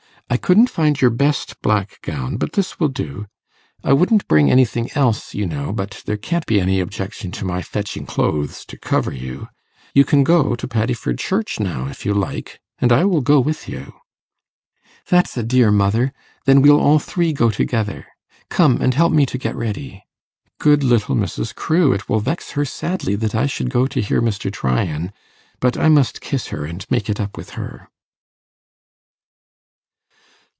I couldn't find your best black gown, but this will do. I wouldn't bring anything else, you know; but there can't be any objection to my fetching clothes to cover you. You can go to Paddiford Church, now, if you like; and I will go with you.' 'That's a dear mother! Then we'll all three go together. Come and help me to get ready. Good little Mrs. Crewe! It will vex her sadly that I should go to hear Mr. Tryan. But I must kiss her, and make it up with her.